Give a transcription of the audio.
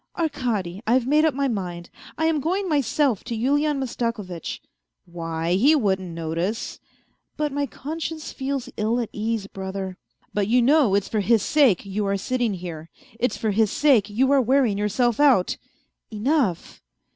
" Arkady, I've made up my mind, I am going myself to Yulian Mastakovitch." " Why, he wouldn't notice "" But my conscience feels ill at ease, brother." " But you know it's for his sake you are sitting here; it's for his sake you are wearing yourself out." " Enough